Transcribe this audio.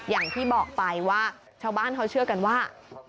อย่างที่บอกไปว่าชาวบ้านเขาเชื่อกันว่า